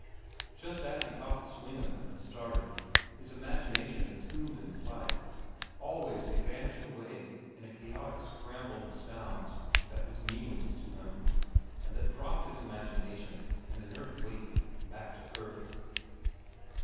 Just as he caught the swing of them and started, his imagination attuned in flight, always they vanished away in a chaotic scramble of sounds that was meaningless to him, and that dropped his imagination, an inert weight, back to earth.